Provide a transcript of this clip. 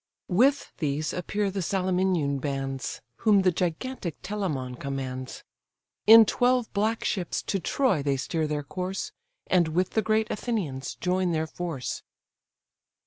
With these appear the Salaminian bands, Whom the gigantic Telamon commands; In twelve black ships to Troy they steer their course, And with the great Athenians join their force.